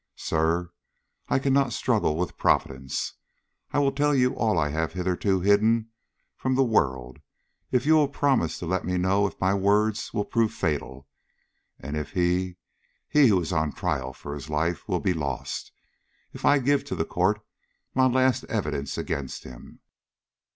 Sir, I cannot struggle with Providence. I will tell you all I have hitherto hidden from the world if you will promise to let me know if my words will prove fatal, and if he he who is on trial for his life will be lost if I give to the court my last evidence against him?"